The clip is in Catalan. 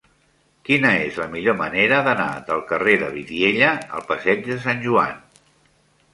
Quina és la millor manera d'anar del carrer de Vidiella al passeig de Sant Joan?